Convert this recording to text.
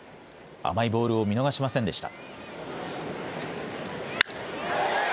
甘いボールを見逃しませんでした。